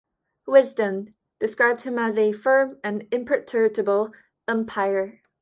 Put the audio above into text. "Wisden" described him as "a firm and imperturbable umpire".